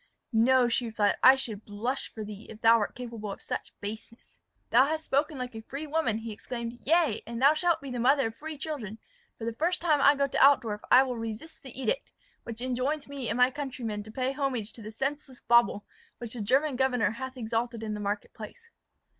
"No," she replied, "I should blush for thee, if thou wert capable of such baseness." "Thou hast spoken like a free woman," he exclaimed. "Yea, and thou shalt be the mother of free children: for the first time I go to Altdorf I will resist the edict, which enjoins me and my countrymen to pay homage to the senseless bauble which the German governor hath exalted in the market place."